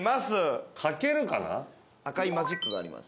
赤いマジックがあります。